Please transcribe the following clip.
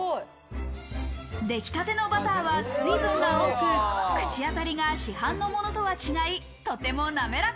できたてのバターは水分が多く、口当たりが市販のものとは違い、とても滑らか。